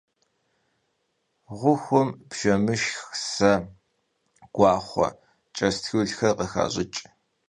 Ğuxum bjjemışşx, se, guaxhue, ç'estrulxer khıxaş'ıç'.